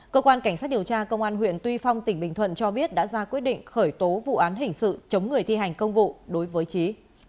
cơ quan cảnh sát điều tra công an huyện tuy phong tỉnh bình thuận cho biết đã ra quyết định khởi tố vụ án hình sự chống người thi hành công vụ đối với trí